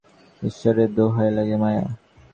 ঈশ্বরের দোহাই লাগে, মায়া।